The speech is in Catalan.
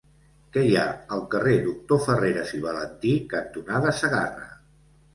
Què hi ha al carrer Doctor Farreras i Valentí cantonada Segarra?